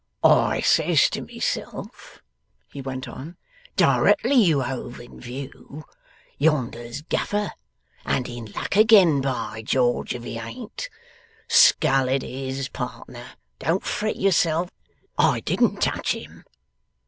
'I says to myself,' he went on, 'directly you hove in view, yonder's Gaffer, and in luck again, by George if he ain't! Scull it is, pardner don't fret yourself I didn't touch him.